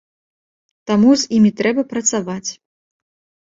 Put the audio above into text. Таму з імі трэба працаваць.